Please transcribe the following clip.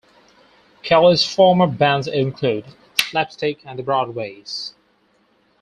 Kelly's former bands include Slapstick and The Broadways.